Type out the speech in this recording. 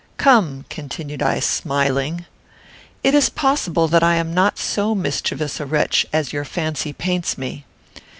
Come," continued I, smiling, "it is possible that I am not so mischievous a wretch as your fancy paints me.